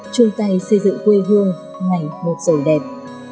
chung tay xây dựng quê hương ngày một giàu đẹp